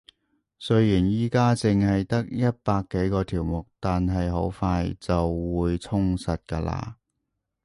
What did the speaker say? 雖然而家淨係得一百幾個條目，但係好快就會充實㗎喇